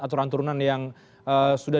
aturan turunan yang sudah